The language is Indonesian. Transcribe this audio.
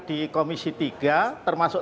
di komisi tiga termasuk